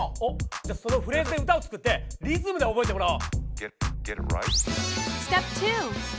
じゃあそのフレーズで歌を作ってリズムで覚えてもらおう！